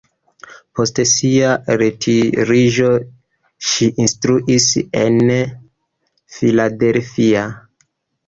Post sia retiriĝo ŝi instruis en Philadelphia.